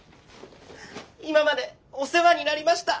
今までお世話になりました！